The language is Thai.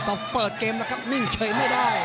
เปิดเกมแล้วครับนิ่งเฉยไม่ได้